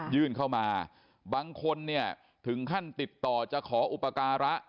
ยื่นเข้ามาบางคนเนี่ยถึงขั้นติดต่อจะขออุปการะ